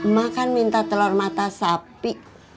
ma kan minta telur mata sapi